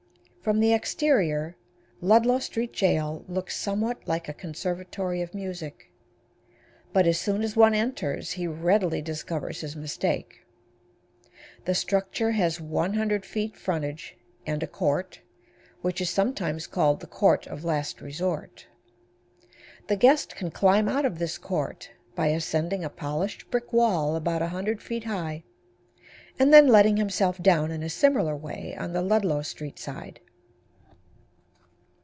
From the exterior Ludlow Street Jail looks somewhat like a conservatory of music, but as soon as one enters he readily discovers his mistake. The structure has 100 feet frontage, and a court, which is sometimes called the court of last resort. The guest can climb out of this court by ascending a polished brick wall about 100 feet high, and then letting himself down in a similar way on the Ludlow street side.